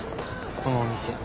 このお店。